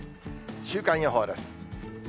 週間予報です。